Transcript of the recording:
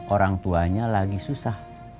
orang tuanya lagi susah